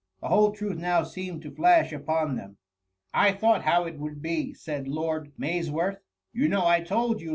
The whole truth now seemed to flash upon them. *^ I thought how it would be,^ said Lord Maysworth ;you know I told you.